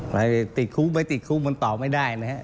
ไปติดคุกไปติดคุกมันตอบไม่ได้นะครับ